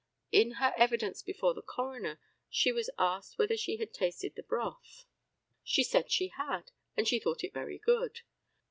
In her evidence before the coroner she was asked whether she had tasted the broth? She said she had, and she thought it very good.